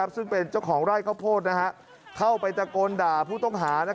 ซึ่งเป็นเจ้าของไร่ข้าวโพดเข้าไปตะโกนด่าผู้ต้องหา